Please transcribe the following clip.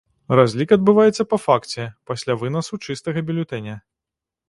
Разлік адбываецца па факце, пасля вынасу чыстага бюлетэня.